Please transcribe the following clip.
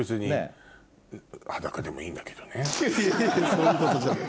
そういうことじゃない。